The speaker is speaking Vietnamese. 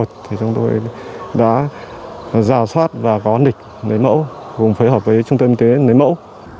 thì chúng tôi đã rào soát và có nịch nếm mẫu cùng phối hợp với trung tâm y tế nếm mẫu